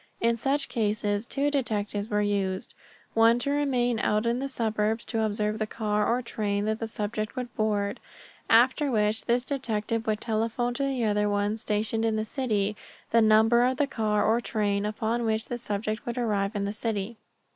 In such cases two detectives were used, one to remain out in the suburbs to observe the car or train that the subject would board, after which this detective would telephone to the other one, stationed in the city, the number of the car or train upon which the subject would arrive in the city.